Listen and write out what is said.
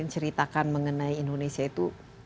ceritakan mengenai indonesia itu